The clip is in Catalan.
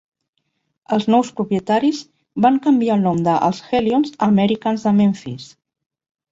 Els nous propietaris van canviar el nom de els Hellions a Americans de Memphis.